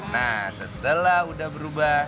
nah setelah udah berubah